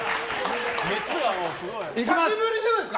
久しぶりじゃないですか？